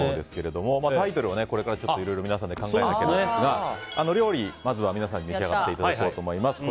タイトルは、いろいろ皆さんで考えないといけないんですが料理、まずは皆さんに召し上がっていただこうと思います。